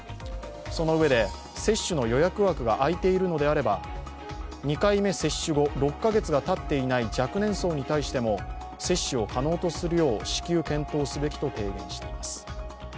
そのうえで接種の予約枠が空いているのであれば２回目接種後、６カ月がたっていない若年層に対しても接種を可能とするよう至急検討すべきと提言しています。